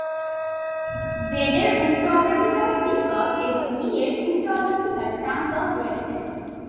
Z এর উচ্চ অগ্রাধিকার সিস দল এবং ই এর উচ্চ অগ্রাধিকার ট্রান্স দল রয়েছে।